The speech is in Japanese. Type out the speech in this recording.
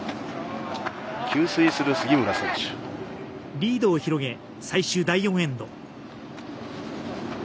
リードを広げ最終第４エンド。